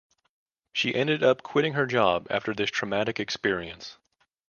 She ended up quitting her job after this traumatic experience.